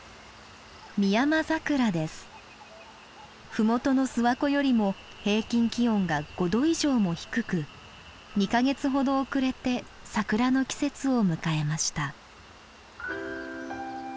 ふもとの諏訪湖よりも平均気温が５℃以上も低く２か月ほど遅れて桜の季節を迎えました。